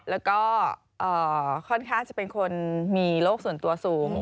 แล้วก็ค่อนข้างจะเป็นคนมีโรคส่วนตัวสูง